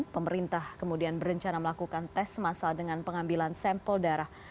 pemerintah kemudian berencana melakukan tes masal dengan pengambilan sampel darah